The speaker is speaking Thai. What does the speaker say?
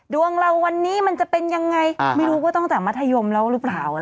ดวงเราวันนี้มันจะเป็นยังไงไม่รู้ว่าตั้งแต่มัธยมแล้วหรือเปล่า